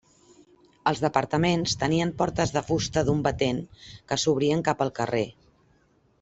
Els departaments tenien portes de fusta d'un batent que s'obrien cap al carrer.